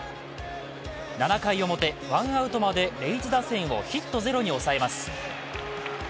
７回表、ワンアウトまでレイズ打線をヒットゼロに抑えます。